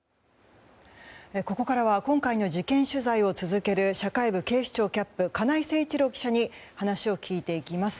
ここからは今回の事件取材を続ける社会部警視庁キャップ金井誠一郎記者に話を聞いていきます。